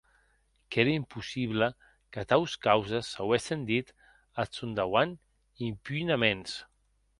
Qu’ère impossible que taus causes s’auessen dit ath sòn dauant impunaments.